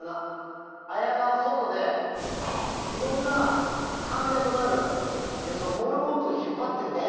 彩奈は外でいろんな患者となるモルモットを引っ張ってくる。